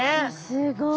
すごい！